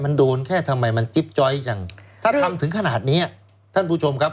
มันโดนแค่ทำไมมันจิ๊บจ้อยจังถ้าทำถึงขนาดเนี้ยท่านผู้ชมครับ